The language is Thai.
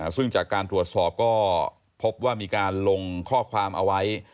ซึ่งจากการตรวจสอบก็พบว่ามีการลงข้อความเอาไว้